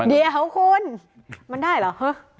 เดี๋ยวคุณมันได้เหรอฮะ